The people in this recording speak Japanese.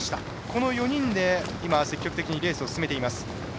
この４人で積極的にレースを進めています。